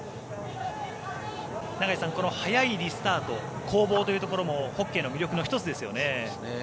永井さん、この速いリスタート攻防というところもホッケーの魅力の１つですよね。